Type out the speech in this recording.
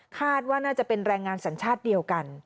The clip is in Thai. คาดว่าน่าจะเป็นแรงงานสัญชาติเดียวกัน